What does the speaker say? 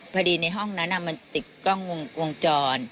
พอดีในห้องนั้นอ่ะมันติดกล้องวงวงจร